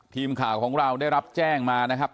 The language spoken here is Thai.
ทีมข่าวของเราได้รับแจ้งมานะครับ